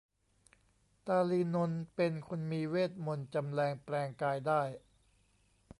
ตาลีนนท์เป็นคนมีเวทมนตร์จำแลงแปลงกายได้